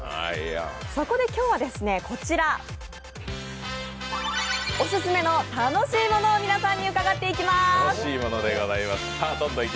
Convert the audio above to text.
そこで今日はこちら、オススメの楽しいモノを皆さんに伺っていきます。